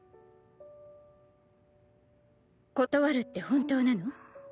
断るって本当なの？